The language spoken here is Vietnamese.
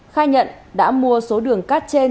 khai nhận đã mua số đường cát trên